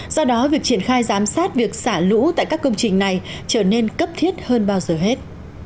do đó việc triển khai giám sát việc xả lũ tại các công trình này trở nên cấp thiết hơn bao giờ hết